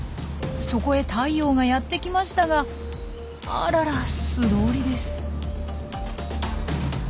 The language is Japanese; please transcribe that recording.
そこへタイヨウがやって来ましたがあらら素通りです。